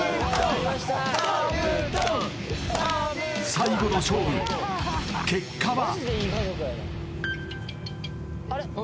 最後の勝負結果は？